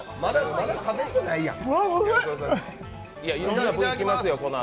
まだ食べてないやん。